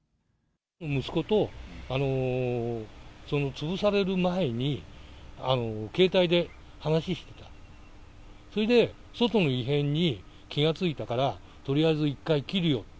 息子と、潰される前に、携帯で話してて、それで、外の異変に気が付いたから、とりあえず１回切るよって。